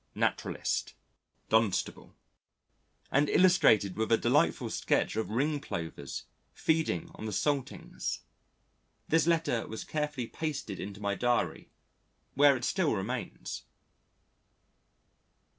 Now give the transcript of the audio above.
Naturalist, Downstable," and illustrated with a delightful sketch of Ring Plovers feeding on the saltings. This letter was carefully pasted into my diary, where it still remains.